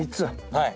はい。